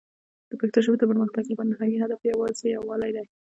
د پښتو ژبې د پرمختګ لپاره نهایي هدف یوازې یووالی دی.